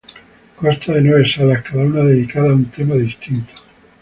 Consta de nueve salas, cada una dedicada a un tema distinto.